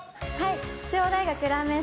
中央大学ラーメン